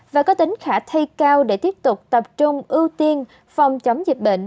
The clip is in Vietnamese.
và có tính khả thi cao để tiếp tục tập trung ưu tiên phòng chống dịch bệnh